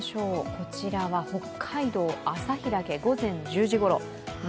こちらは北海道旭岳午前１０時ごろ。